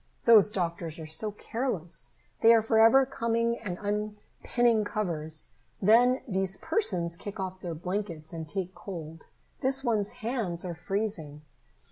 "Those doctors are so careless. They are forever coming and unpinning covers. Then these persons kick off their blankets and take cold. This one's hands are freezing."